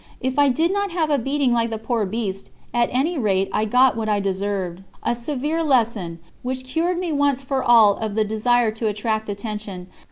If I did not have a beating like the poor beast, at any rate I got what I deserved a severe lesson, which cured me once for all of the desire to attract attention.